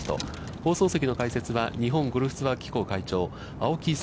放送席の解説は、日本ゴルフツアー機構会長、青木功